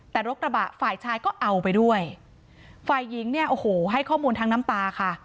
แต่รถกระบะฝ่ายชายก็เอาไปด้วยฝ่ายหญิงเนี่ยโอ้โหให้ข้อมูลทั้งน้ำตาค่ะ